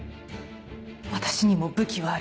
私にも武器はある。